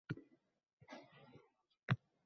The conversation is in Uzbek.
fikr yozish uchun ataylab o‘tirganda kelmasligi mumkin.